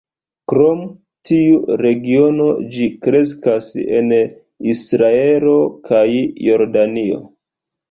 Krom tiu regiono, ĝi kreskas en Israelo kaj Jordanio.